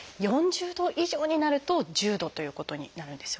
４０度以上になると「重度」ということになるんですよね。